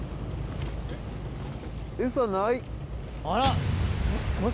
あら！